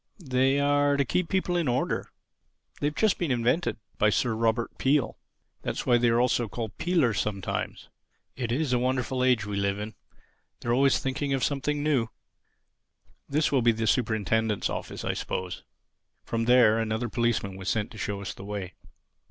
They are to keep people in order. They've just been invented—by Sir Robert Peel. That's why they are also called 'peelers' sometimes. It is a wonderful age we live in. They're always thinking of something new—This will be the Superintendent's office, I suppose." [Illustration: "On the bed sat the Hermit"] From there another policeman was sent with us to show us the way.